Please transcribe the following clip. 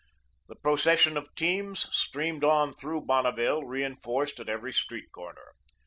The procession of teams streamed on through Bonneville, reenforced at every street corner.